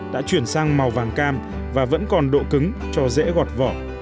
đã chuyển sang màu vàng cam và vẫn còn độ cứng cho dễ gọt vỏ